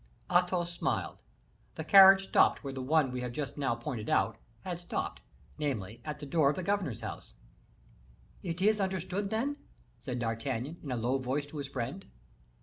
Athos smiled. The carriage stopped where the one we have just now pointed out had stopped; namely, at the door of the governor's house. "It is understood, then?" said D'Artagnan, in a low voice to his friend.